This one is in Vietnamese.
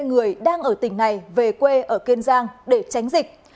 hai người đang ở tỉnh này về quê ở kiên giang để tránh dịch